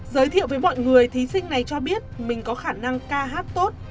giới thiệu với mọi người thí sinh này cho biết mình có khả năng ca hát tốt